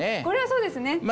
これはそうですね。